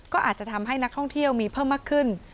ก็อาจจะทำให้นักท่องเที่ยวมีเพิ่มมากขึ้น